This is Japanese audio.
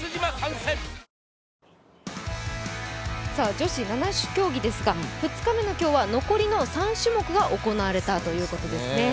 女子七種競技ですが２日目の今日は残りの３種目が行われたということですね。